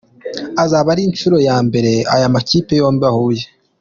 Azaba ari inshuro ya mbere aya makipe yombi ahuye.